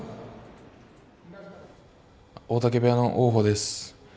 大嶽部屋の王鵬です。